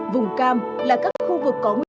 vùng cam là các khu vực có nguy cơ